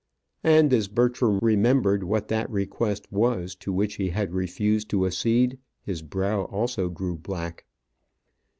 And as Bertram remembered what that request was to which he had refused to accede, his brow also grew black.